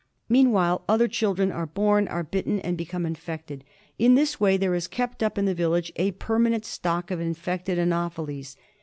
Meanwhile other children are born, are bitten, and become infected. In this way there is kept up in the village a permanent stock of infected anopheles.